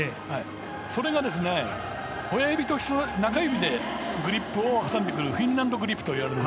それが親指と中指でグリップを挟んでくるフィンナンドグリップといわれるもの。